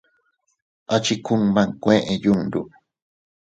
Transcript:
A chi kuma nkuee yundu.